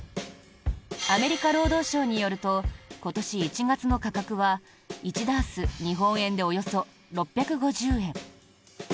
アメリカ労働省によると今年１月の価格は１ダース日本円でおよそ６５０円。